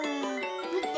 みて！